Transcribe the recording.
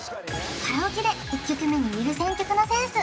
カラオケで１曲目に入れる選曲のセンス